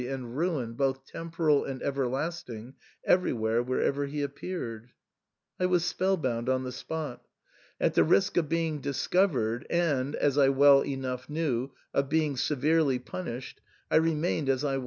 175 and ruin, both temporal and everlasting, everywhere wherever he appeared. I was spell bound on the spot. At the risk of being discovered, and, as I well enough knew, of being se verely punished, I remained as I